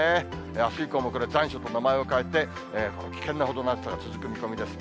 あす以降もこれ、残暑と名前を変えて、危険なほどの暑さが続く見込みです。